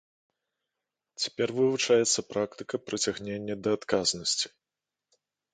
Цяпер вывучаецца практыка прыцягнення да адказнасці.